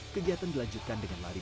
kegiatan dilanjutkan dengan lari